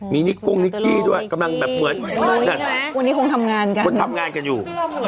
มีนิกโกงนิกกี้ด้วยกำลังแบบเหมือนทำงานกันอยู่